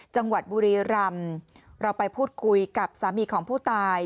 จังหวัดบุรีรำเราไปพูดคุยกับสามีของผู้ตาย